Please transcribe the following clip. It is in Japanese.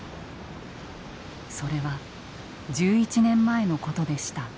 それは１１年前のことでした。